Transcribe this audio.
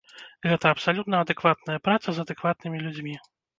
Гэта абсалютна адэкватная праца з адэкватнымі людзьмі.